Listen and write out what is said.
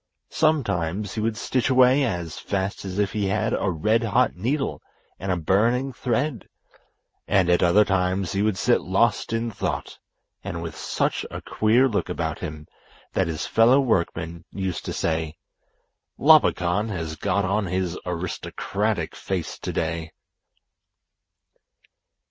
Sometimes he would stitch away as fast as if he had a red hot needle and a burning thread, and at other times he would sit lost in thought, and with such a queer look about him that his fellow workmen used to say, "Labakan has got on his aristocratic face today."